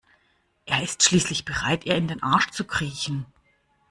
Er ist schließlich bereit ihr in den Arsch zu kriechen.